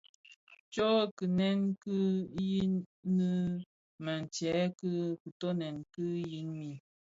Tsoo kiňèn ki yin mi nnë tsèb ki kitöňèn ki yin mi.